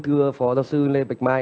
thưa phó giáo sư lê bạch mai